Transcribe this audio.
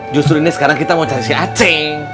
justru ini sekarang kita mau cari si aceh